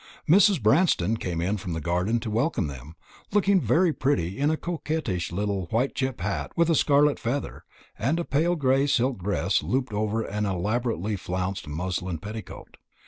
Mrs. Branston came in from the garden to welcome them, looking very pretty in a coquettish little white chip hat with a scarlet feather, and a pale gray silk dress looped up over an elaborately flounced muslin petticoat.